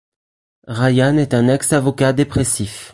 Ryan est un ex-avocat dépressif.